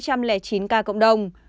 hai trăm linh chín ca cộng đồng